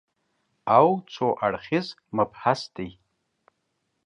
او څو اړخیز مبحث دی